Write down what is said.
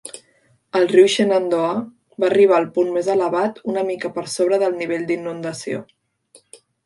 El riu Shenandoah va arribar al punt més elevat una mica per sobre del nivell d'inundació.